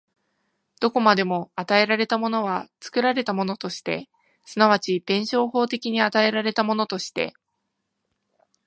どこまでも与えられたものは作られたものとして、即ち弁証法的に与えられたものとして、